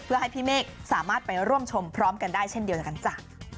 เพื่อให้พี่เมฆสามารถไปร่วมชมพร้อมกันได้เช่นเดียวกันจ้ะ